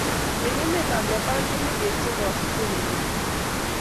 Eng emetab Japan komi beek chegosu chebelei biich